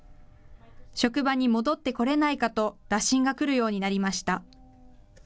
職場に戻ってこれないかと打診が来るようになりました。